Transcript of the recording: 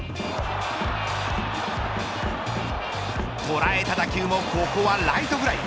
捉えた打球もここはライトフライ。